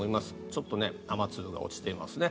ちょっと雨粒が落ちていますね。